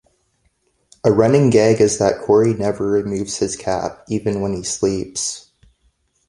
A running gag is that Korey never removes his cap, even when he sleeps.